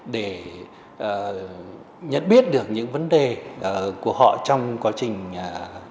để nhận biết được những vấn đề của họ trong quá trình đào tạo